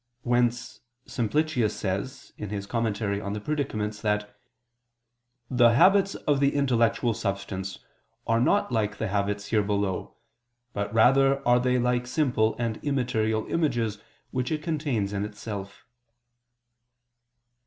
Whence, Simplicius says in his Commentary on the Predicaments that: "The habits of the intellectual substance are not like the habits here below, but rather are they like simple and immaterial images which it contains in itself."